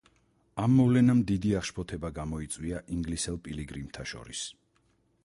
ამ მოვლენამ დიდი აღშფოთება გამოიწვია ინგლისელ პილიგრიმთა შორის.